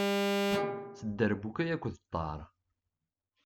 S dderbuka yak d ṭṭar